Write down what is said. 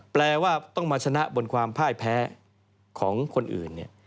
แปลว่าต้องมาชนะบนความพ่ายแพ้ของคนอื่น